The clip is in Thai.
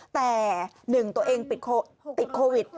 แต่หนึ่งตัวเองติดโควิด